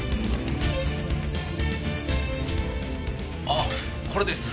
あっこれです。